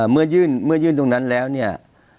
เมื่อยื่นตรงนั้นแล้วเนี่ย